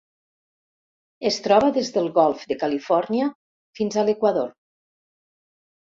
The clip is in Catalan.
Es troba des del Golf de Califòrnia fins a l'Equador.